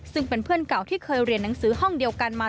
ซึ่งเป็นเพื่อนเก่าที่เคยเรียนหนังสือห้องเดียวกันมา